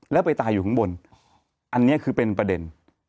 แล้วไปตายอยู่ข้างบนอันนี้คือเป็นประเด็น